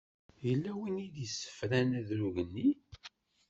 Yella wi d-yessefran adrug-nni?